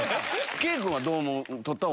圭君はどう思う？